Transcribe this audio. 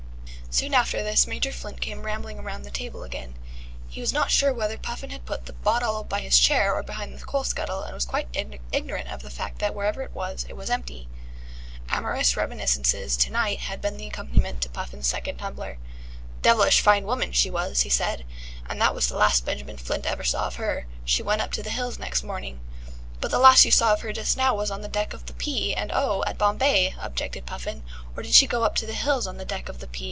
Soon after this Major Flint came rambling round the table again. He was not sure whether Puffin had put the bottle by his chair or behind the coal scuttle, and was quite ignorant of the fact that wherever it was, it was empty. Amorous reminiscences to night had been the accompaniment to Puffin's second tumbler. "Devilish fine woman she was," he said, "and that was the last Benjamin Flint ever saw of her. She went up to the hills next morning " "But the last you saw of her just now was on the deck of the P. and O. at Bombay," objected Puffin. "Or did she go up to the hills on the deck of the P.